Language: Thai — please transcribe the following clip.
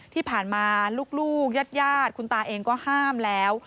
ที่ผ่านมาลูกญาติคุณตาเองก็ห้ามแล้ว